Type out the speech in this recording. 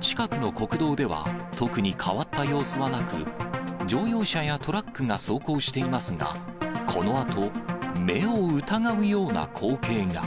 近くの国道では、特に変わった様子はなく、乗用車やトラックが走行していますが、このあと、目を疑うような光景が。